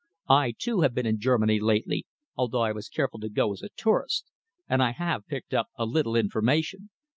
I, too, have been in Germany lately, although I was careful to go as a tourist, and I have picked up a little information.